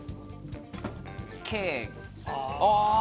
Ｋ。